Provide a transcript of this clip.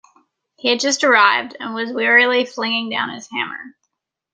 He had just arrived, and was wearily flinging down his hammer.